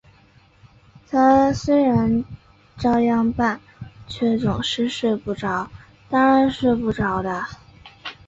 他虽然照样办，却总是睡不着，当然睡不着的